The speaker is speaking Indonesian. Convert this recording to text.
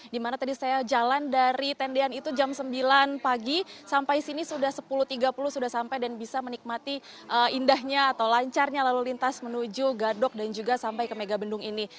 dimana tadi saya jalan dari tendian itu jam sembilan pagi sampai sini sudah sepuluh tiga puluh sudah sampai dan bisa menikmati indahnya atau lancarnya lalu lintas menuju gadok dan juga sampai ke megabendung ini